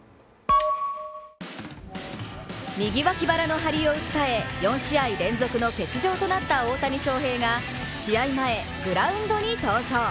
右脇腹の張りを訴え、４試合連続の欠場となった大谷翔平が試合前、グラウンドに登場。